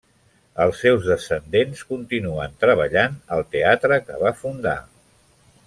Els seus descendents continuen treballant al teatre que va fundar.